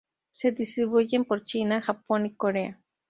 Se distribuyen por China, Japón y Corea.